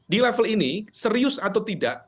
di level ini serius atau tidak